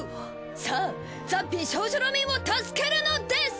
さぁザ・美少女ロミンを助けるのです！